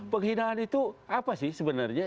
penghinaan itu apa sih sebenarnya